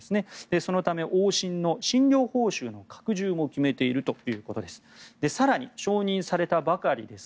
そのため、往診の診療報酬の拡充を決めているということです。